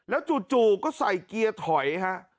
จู่ก็ใส่เกียร์ถอยฮะ